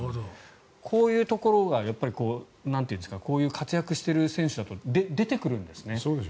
こういうところが活躍している選手だと出てくるんですね。